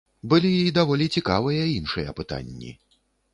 Былі і даволі цікавыя іншыя пытанні.